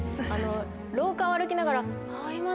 廊下を歩きながら。